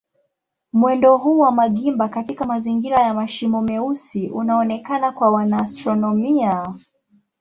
Mwendo huu wa magimba katika mazingira ya mashimo meusi unaonekana kwa wanaastronomia.